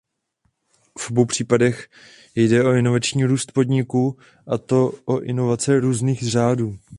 V obou případech jde o inovační růst podniku a to o inovace různých řádů.